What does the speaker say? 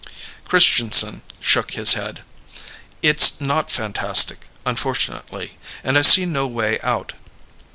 Christianson shook his head. "It's not fantastic, unfortunately. And I see no way out.